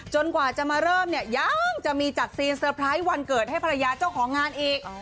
กว่าจะมาเริ่มเนี่ยยังจะมีจัดซีนเตอร์ไพรส์วันเกิดให้ภรรยาเจ้าของงานอีก